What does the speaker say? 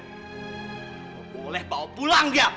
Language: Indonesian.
boleh bawa pulang dia